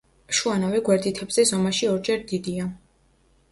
შუა ნავი გვერდითებზე ზომაში ორჯერ დიდია.